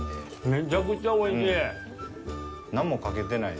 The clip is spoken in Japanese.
めちゃくちゃおいしい！